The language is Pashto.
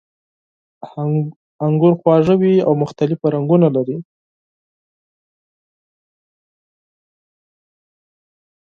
انګور خواږه وي او مختلف رنګونه لري.